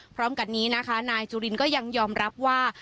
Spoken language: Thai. พร้อมกันนี้นะคะนายจุลินก็ยังยอมรับว่า